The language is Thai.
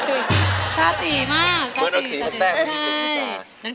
ภาษาดีมาก